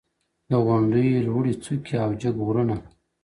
• د غونډیو لوړي څوکي او جګ غرونه ,